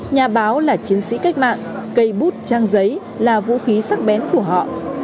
nhà báo là chiến sĩ cách mạng cây bút trang giấy là vũ khí sắc bén của họ